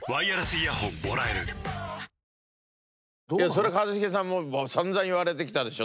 それ一茂さんも散々言われてきたでしょ